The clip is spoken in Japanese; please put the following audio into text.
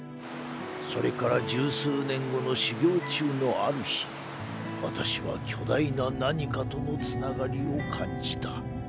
それから１０数年後の修行中のある日私は巨大な何かとのつながりを感じた。